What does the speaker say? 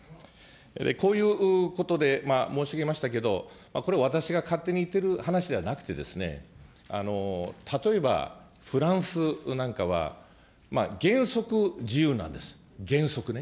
こういうことで申し上げましたけど、これは私が勝手に言っている話じゃなくて、例えば、フランスなんかは、原則自由なんです、原則ね。